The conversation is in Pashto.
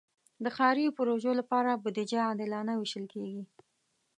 د ښاري پروژو لپاره بودیجه عادلانه ویشل کېږي.